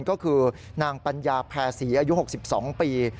ก็คือนางปัญญาแพรศรีอายุ๖๒ปี